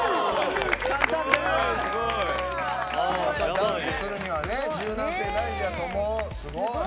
ダンスするには柔軟性、大事やと思う。